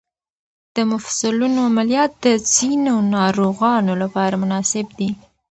د مفصلونو عملیات د ځینو ناروغانو لپاره مناسب دي.